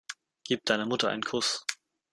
Gib deiner Mutter einen Kuss.